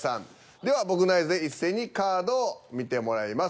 では僕の合図で一斉にカードを見てもらいます。